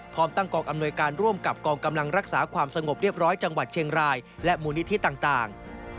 พร้อมตั้งกองอำนวยการร่วมกับกองกำลังรักษาความสงบเรียบร้อยจังหวัดเชียงรายและมูลนิธิต่าง